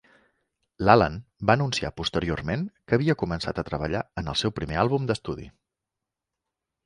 L"Allan va anunciar posteriorment que havia començat a treballar en el seu primer àlbum d"estudi.